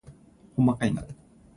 ほんまかいな